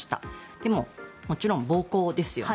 でも、もちろん暴行ですよね